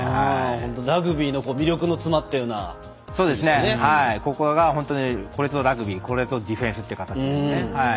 本当にラグビーの魅力の詰まったようなここがラグビーこれぞディフェンスという形ですね。